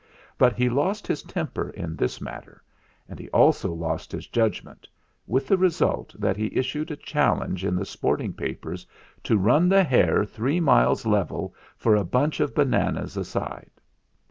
But he lost his temper in this matter, and he also lost his judg ment, with the result that he issued a challenge in the sporting papers to run the hare three miles level for a bunch of bananas a side.